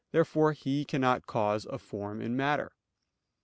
Therefore He cannot cause a form in matter.